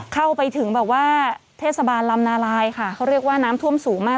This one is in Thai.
เข้าไปถึงแบบว่าเทศบาลลำนาลายค่ะเขาเรียกว่าน้ำท่วมสูงมาก